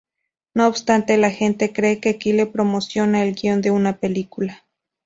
No obstante, la gente cree que Kyle promociona el guion de una película.